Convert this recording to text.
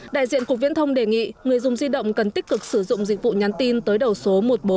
đại diện cục viễn thông đề nghị người dùng di động cần tích cực sử dụng dịch vụ nhắn tin tới đầu số một nghìn bốn trăm bốn